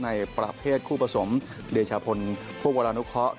ในประเภทคู่ผสมเรชาพลผู้กำลังลูกเคาะ